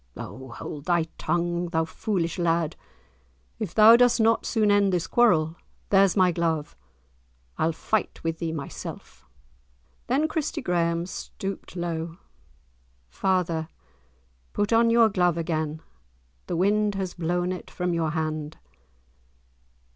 "O hold thy tongue, thou foolish lad! If thou dost not soon end this quarrel, there's my glove, I'll fight with thee myself." Then Christie Graeme stooped low. "Father, put on your glove again, the wind has blown it from your hand."